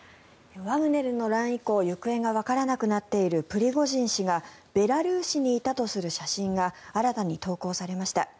ワグネルの乱以降行方がわからなくなっているプリゴジン氏がベラルーシにいたとする写真が新たに投稿されました。